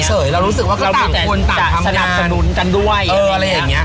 เรารู้สึกว่าก็ต่างคนต่างทำงานสนับสนุนกันด้วยเอออะไรแบบเนี้ย